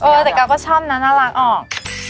เออแต่แกก็ชอบนะน่ารักออก